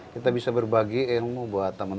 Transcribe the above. kita bisa berbagi ilmu buat teman teman